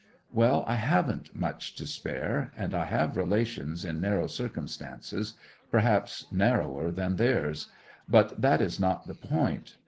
'Well, I haven't much to spare; and I have relations in narrow circumstances—perhaps narrower than theirs. But that is not the point.